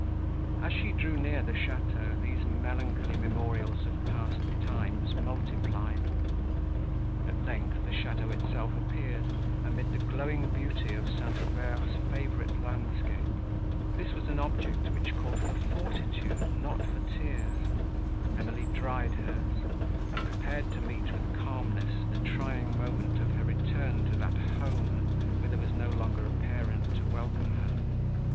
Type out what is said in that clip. As she drew near the château, these melancholy memorials of past times multiplied. At length, the château itself appeared, amid the glowing beauty of St. Aubert's favourite landscape. This was an object, which called for fortitude, not for tears; Emily dried hers, and prepared to meet with calmness the trying moment of her return to that home, where there was no longer a parent to welcome her.